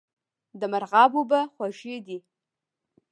د مرغاب اوبه خوږې دي